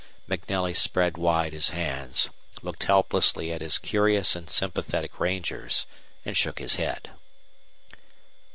MacNelly spread wide his hands, looked helplessly at his curious and sympathetic rangers, and shook his head.